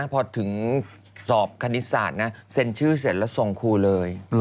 พอถึงสอบคณิตศาสตร์นะเซ็นชื่อเสร็จแล้วส่งครูเลย